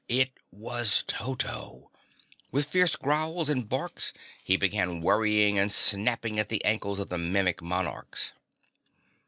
It was Toto! With fierce growls and barks he began worrying and snapping at the ankles of the Mimic Monarchs.